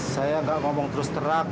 saya nggak ngomong terus terang